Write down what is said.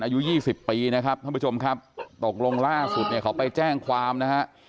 อายุ๒๐ปีนะครับท่านผู้ชมครับตกลงล่าสุดเนี่ยเขาไปแจ้งความนะฮะ